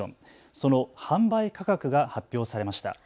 その販売価格が発表されました。